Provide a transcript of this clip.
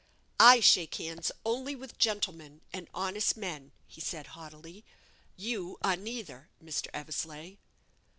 "I shake hands only with gentlemen and honest men," he said, haughtily. "You are neither, Mr. Eversleigh."